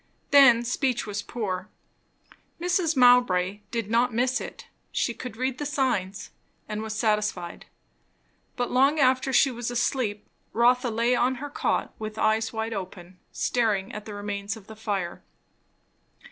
Then speech was poor. Mrs. Mowbray did not miss it; she could read the signs, and was satisfied. But long after she was asleep, Rotha lay on her cot with eyes wide open, staring at the remains of the fire.